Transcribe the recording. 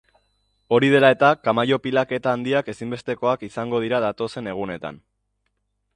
Hori dela eta, kamaio pilaketa handiak ezinbestekoak izango dira datozen egunetan.